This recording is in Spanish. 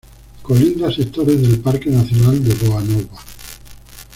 Colinda sectores del Parque Nacional de Boa Nova.